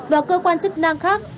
và cơ quan chức năng khác